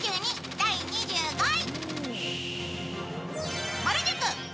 第２５位。